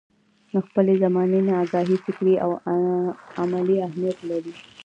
له خپلې زمانې نه اګاهي فکري او عملي اهميت لري.